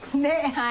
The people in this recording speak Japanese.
はい。